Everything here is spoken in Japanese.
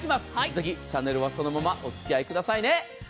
ぜひチャンネルはそのままおつきあいくださいね。